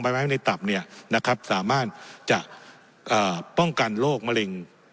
ใบไม้ในตับเนี่ยนะครับสามารถจะเอ่อป้องกันโรคมะเร็ง